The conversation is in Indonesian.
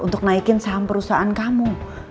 untuk naikin saham perusahaan kamu